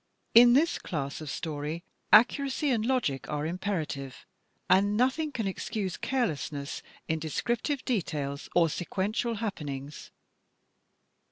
In this class of story, accuracy and logic are imperative, and nothing can excuse carelessness in descriptive details or sequential hap penings.